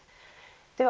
では